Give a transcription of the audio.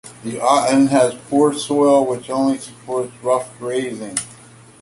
The island has poor soil which only supports rough grazing.